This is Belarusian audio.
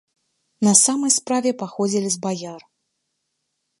На самай справе паходзілі з баяр.